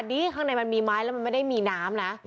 ข้างในมันมีไม้แล้วมันไม่ได้มีน้ำนะ